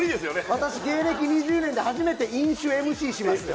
私、芸歴２０年で初めて飲酒ＭＣしますよ。